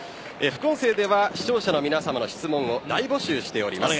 副音声では視聴者の皆さまの質問を大募集しております。